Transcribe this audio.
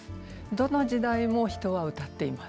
どの時代も人は歌っています。